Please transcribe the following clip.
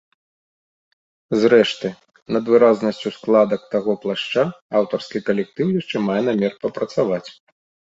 Зрэшты, над выразнасцю складак таго плашча аўтарскі калектыў яшчэ мае намер папрацаваць.